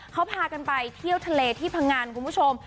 เขาพากันไปเที่ยวทะเลที่พังงันคุณผู้ชม